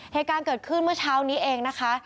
เหตุการณ์เกิดขึ้นเมื่อเช้านี้เองนะคะ